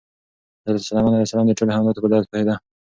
حضرت سلیمان علیه السلام د ټولو حیواناتو په درد پوهېده.